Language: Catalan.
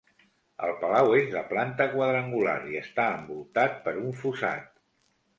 El palau és de planta quadrangular i està envoltat per un fossat.